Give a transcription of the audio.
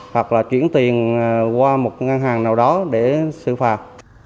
hoặc là chuyển tiền qua một ngân hàng nào đó để xử phạt